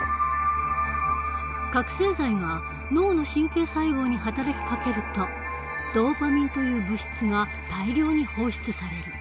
覚醒剤が脳の神経細胞に働きかけるとドーパミンという物質が大量に放出される。